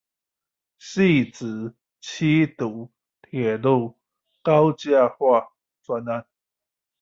汐止七堵鐵路高架化專案